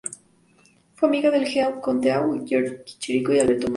Fue amiga de Jean Cocteau, Giorgio de Chirico y Alberto Moravia.